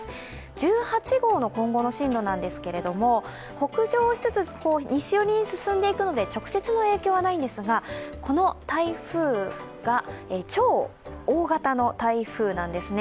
１８号の今後の進路なんですけれども、北上しつつ西寄りに進んでいくので直接の影響はないんですがこの台風が超大型の台風なんですね。